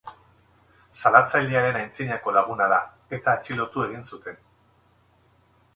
Salatzailearen antzinako laguna da, eta atxilotu egin zuten.